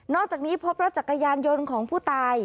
อกจากนี้พบรถจักรยานยนต์ของผู้ตาย